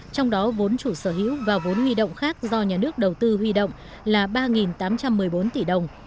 trong đó vốn chủ sở hữu và vốn huy động khác do nhà nước đầu tư huy động là ba tám trăm một mươi bốn tỷ đồng